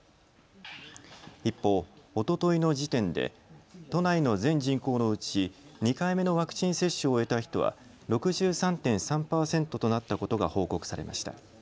一方、おとといの時点で都内の全人口のうち２回目のワクチン接種を終えた人は６３．３％となったことが報告されました。